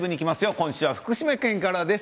今週は福島県からです。